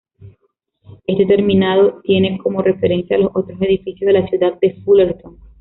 Este terminado tiene como referencia a los otros edificios de la ciudad de Fullerton.